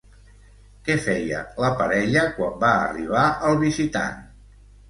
Què feia, la parella, quan va arribar el visitant?